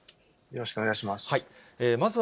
よろしくお願いします。